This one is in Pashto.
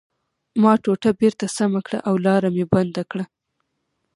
ما ټوټه بېرته سمه کړه او لاره مې بنده کړه